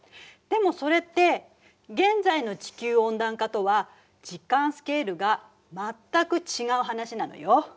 でもそれって現在の地球温暖化とは時間スケールが全く違う話なのよ。